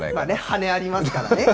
羽ありますからね。